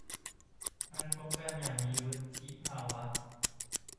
การคบกันอย่างมีวุฒิภาวะ